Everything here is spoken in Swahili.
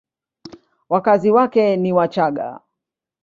Wakazi wake ni Wachagga.